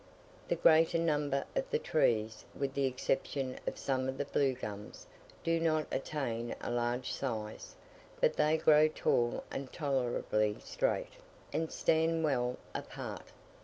The greater number of the trees, with the exception of some of the Blue gums, do not attain a large size; but they grow tall and tolerably straight, and stand well apart.